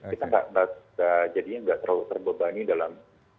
kita jadinya nggak terlalu terbebani dalam